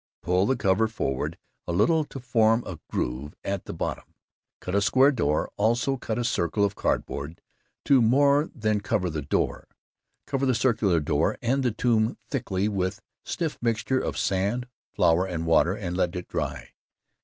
Pull the cover forward a little to form a groove at the bottom. Cut a square door, also cut a circle of cardboard to more than cover the door. Cover the circular door and the tomb thickly with stiff mixture of sand, flour and water and let it dry.